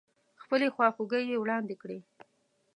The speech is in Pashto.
خپلې خواخوږۍ يې واړندې کړې.